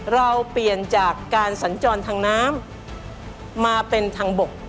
เราเปลี่ยนจากการสัญจรทางน้ำมาเป็นทางบก